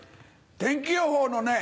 天気予報のね